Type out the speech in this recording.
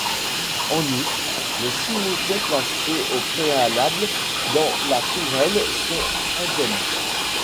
En outre, les six moutons placés au préalable dans la tourelle sont indemnes.